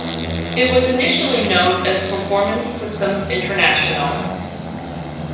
It was initially known as Performance Systems International.